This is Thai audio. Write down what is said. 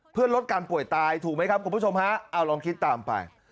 เพื่อลดการป่วยตายถูกไหมครับคุณผู้ชมฮะเอาลองคิดตามไป